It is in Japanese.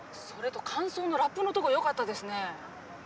それと間奏のラップのとこよかったですね。